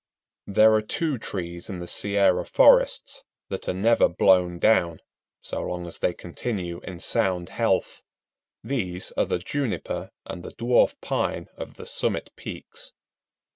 There are two trees in the Sierra forests that are never blown down, so long as they continue in sound health. These are the Juniper and the Dwarf Pine of the summit peaks.